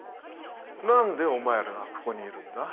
何でお前らがここにいるんだ？